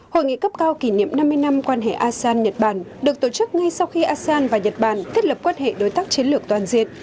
hội nghị cấp cao kỷ niệm năm mươi năm quan hệ asean nhật bản được tổ chức ngay sau khi asean và nhật bản thiết lập quan hệ đối tác chiến lược toàn diện